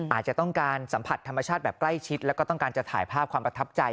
อาจจะต้องการสัมผัสธรรมชาติแบบใกล้ชิดแล้วก็ต้องการจะถ่ายภาพความประทับใจ